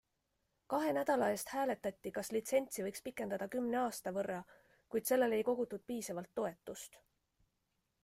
Kahe nädala eest hääletati, kas litsentsi võiks pikendada kümne aasta võrra, kuid sellele ei kogutud piisavalt toetust.